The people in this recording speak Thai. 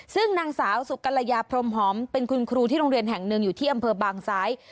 ซึ่งนางสาวสุกัลยาพรมหอมเป็นคุณครูที่โรงเรียนแห่งหนึ่งอยู่ที่อำเภอบางซ้าย